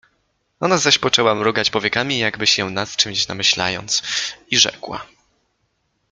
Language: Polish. Ona zaś poczęła mrugać powiekami jakby się nad czymś namyślając — i rzekła.